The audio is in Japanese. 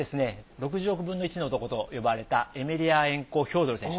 ６０億分の１の男と呼ばれたエメリヤーエンコ・ヒョードル選手。